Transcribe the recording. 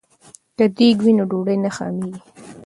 که دیګ وي نو ډوډۍ نه خامېږي.